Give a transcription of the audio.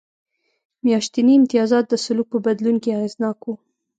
میاشتني امتیازات د سلوک په بدلون کې اغېزناک و